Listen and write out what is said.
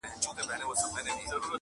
دا روغن په ټول دوکان کي قیمتې وه!.